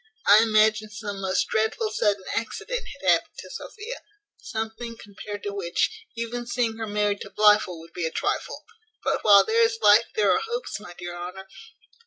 I imagined some most dreadful sudden accident had happened to Sophia; something, compared to which, even seeing her married to Blifil would be a trifle; but while there is life there are hopes, my dear Honour.